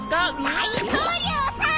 大統領さ！